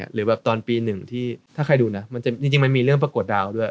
หรือแบบตอนปีหนึ่งที่ถ้าใครดูนะจริงมันมีเรื่องประกวดดาวด้วย